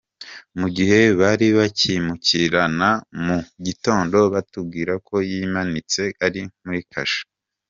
Mu gihe bari bakimukurikirana mu gitondo batubwira ko yimanitse ari muri kasho.